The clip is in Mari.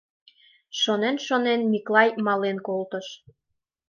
Шонен, шонен Миклай мален колтыш.